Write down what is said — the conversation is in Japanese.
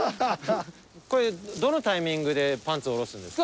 これどのタイミングでパンツ下ろすんですか？